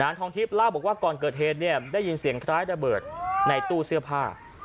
ทองทิพย์เล่าบอกว่าก่อนเกิดเหตุเนี่ยได้ยินเสียงคล้ายระเบิดในตู้เสื้อผ้า